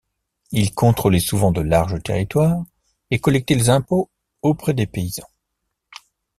Il contrôlait souvent de larges territoires et collectait les impôts auprès des paysans.